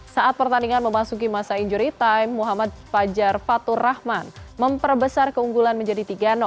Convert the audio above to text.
saat pertandingan memasuki masa injury time muhammad fajar fatur rahman memperbesar keunggulan menjadi tiga